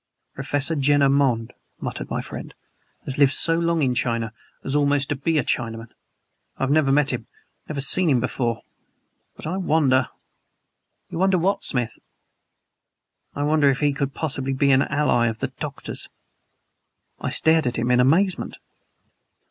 "Professor Jenner Monde," muttered my friend, "has lived so long in China as almost to be a Chinaman. I have never met him never seen him, before; but I wonder " "You wonder what, Smith?" "I wonder if he could possibly be an ally, of the Doctor's!" I stared at him in amazement.